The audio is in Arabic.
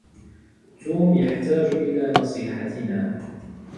توم يحتاجُ إِلى نصيحتَنا.